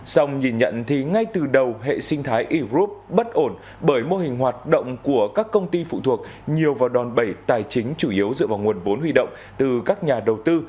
xong nhìn nhận thì ngay từ đầu hệ sinh thái e group bất ổn bởi mô hình hoạt động của các công ty phụ thuộc nhiều vào đòn bẩy tài chính chủ yếu dựa vào nguồn vốn huy động từ các nhà đầu tư